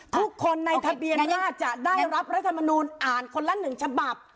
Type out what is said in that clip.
ทุกคนในทะเบียนน่าจะได้รับรัฐมนูลอ่านคนละ๑ฉบับ